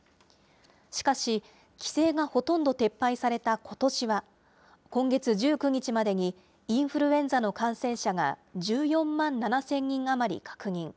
しかし、規制がほとんど撤廃されたことしは、今月１９日までにインフルエンザの感染者が１４万７０００人余り確認。